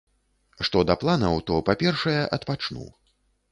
Што да планаў, то па-першае, адпачну.